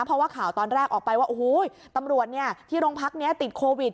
เพราะว่าข่าวตอนแรกออกไปว่าโอ้โหตำรวจที่โรงพักนี้ติดโควิด